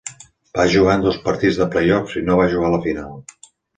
Va jugar en dos partits de playoffs i no va jugar a la final.